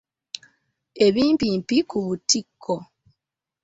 Ebimpimpi ku butiko.